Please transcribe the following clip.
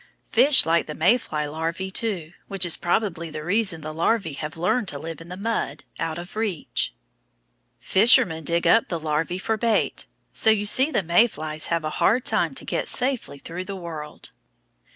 Fish like the May fly larvæ, too, which is probably the reason the larvæ have learned to live in the mud, out of reach. Fishermen dig up the larvæ for bait, so you see the May flies have a hard time to get safely through the world.